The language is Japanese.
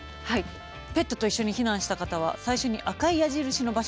「ペットと一緒に避難した方は最初に赤い矢印の場所に来てください」。